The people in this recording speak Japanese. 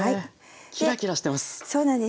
キラキラしてます！